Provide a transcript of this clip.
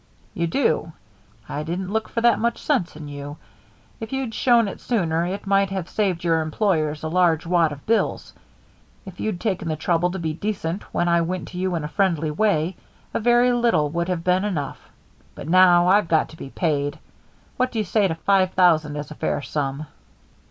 "You do. I didn't look for that much sense in you. If you'd shown it sooner it might have saved your employers a large wad of bills. If you'd taken the trouble to be decent when I went to you in a friendly way a very little would have been enough. But now I've got to be paid. What do you say to five thousand as a fair sum?"